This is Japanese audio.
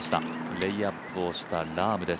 レイアップをしたラームです。